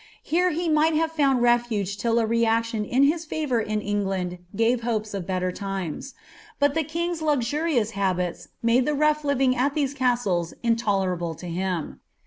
Here he tnight have found refuge till a re aninn in his favour in England gnrc hopes of heller limes; but the king's luxurious hnbils made ih« rough living ai ihsse castles inlnlcrable to him.